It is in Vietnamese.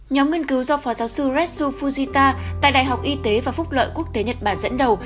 nhóm nghiên cứu do phó giáo sư retsu fujita tại đại học y tế và phúc loại quốc tế nhật bản dẫn đầu